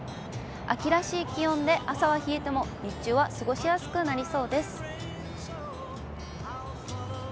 秋らしい気温で朝は冷えても日中は過ごしやすくなりそうです。